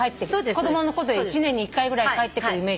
子供のことで１年に１回ぐらい帰ってくるイメージ。